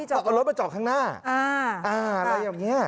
เอารถมาจอดข้างหน้าอะไรอย่างนี้